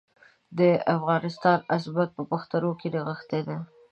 د افغانستان عظمت په پښتنو کې نغښتی دی.